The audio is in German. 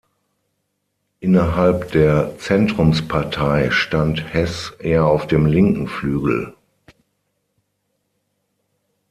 Innerhalb der Zentrumspartei stand Heß eher auf dem linken Flügel.